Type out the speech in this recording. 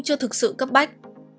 chưa thực sự cấp bách